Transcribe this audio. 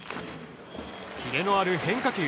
キレのある変化球。